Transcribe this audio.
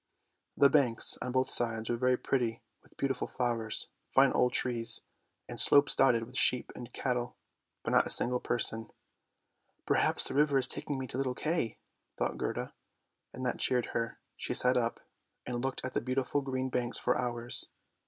The banks on both sides were very pretty with beautiful flowers, fine old trees, and slopes dotted with sheep and cattle, but not a single person. " Perhaps the river is taking me to little Kay," thought Gerda, and that cheered her; she sat up and looked at the beautiful green banks for hours.